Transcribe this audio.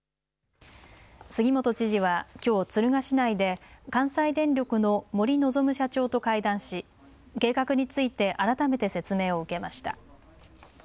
杉本知事はきょう敦賀市内で関西電力の森望社長と会談し計画について改めて説明を受けました。